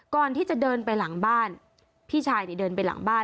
ก่อนที่จะเดินไปหลังบ้านพี่ชายเนี่ยเดินไปหลังบ้าน